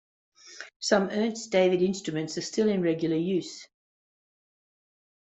Some Ernst David instruments are still in regular use.